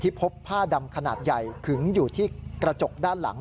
พบผ้าดำขนาดใหญ่ขึงอยู่ที่กระจกด้านหลัง